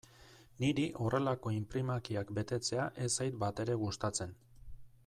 Niri horrelako inprimakiak betetzea ez zait batere gustatzen.